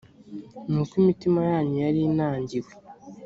ni uko imitima yanyu yari inangiwe.